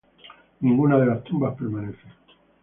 Ninguna de las tumbas permanecen.